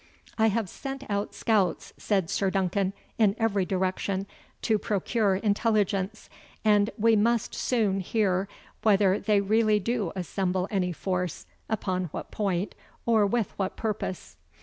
"I have sent out scouts," said Sir Duncan, "in every direction, to procure intelligence; and we must soon hear whether they really do assemble any force, upon what point, or with what purpose."